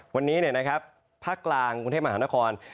วันนี้นะครับภาคกลางกรุงเทพมหาวนคร